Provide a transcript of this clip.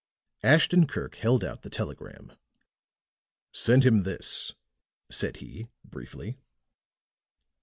Ashton Kirk held out the telegram. "Send him this," said he, briefly.